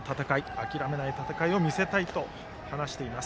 諦めない戦いを見せたいと話しています。